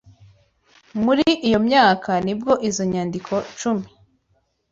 Muri iyo myaka, nibwo izo nyandiko cumi